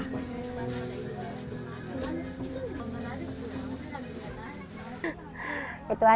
untuk memperbaiki kekuasaan